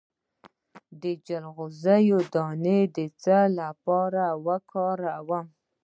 د چلغوزي دانه د څه لپاره وکاروم؟